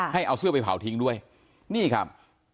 ให้เอาเสื้อไปเผาทิ้งด้วยนี่ครับ